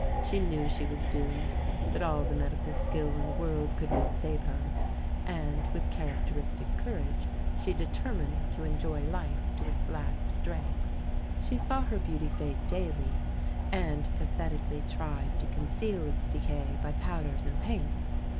She knew she was doomed, that all the medical skill in the world could not save her; and, with characteristic courage, she determined to enjoy life to its last dregs. She saw her beauty fade daily, and pathetically tried to conceal its decay by powders and paints.